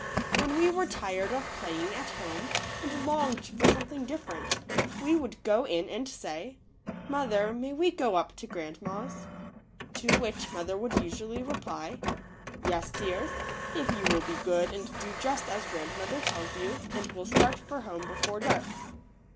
When we were tired of playing at home and longed for something different, we would go in and say, f? Mother, may we go up to grand ma's?" To which mother would usually reply, "Yes, dears, if you will be good and do just as grandmother tells you, and will start for home before dark."